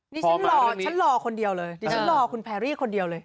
นี่ฉันหล่อคนเดียวเลยฉันหล่อคุณปาเรียพูดคนเดียวเลย